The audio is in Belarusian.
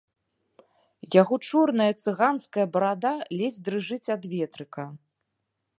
Яго чорная цыганская барада ледзь дрыжыць ад ветрыка.